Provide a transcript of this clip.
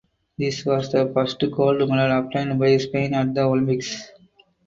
This was the first gold medal obtained by Spain at the olympics.